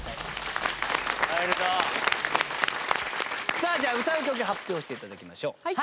さあじゃあ歌う曲発表して頂きましょう。